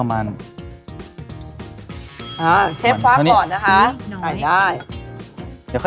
ให้เชฟทองดูก่อน